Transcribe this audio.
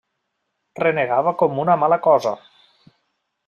Renegava com una mala cosa.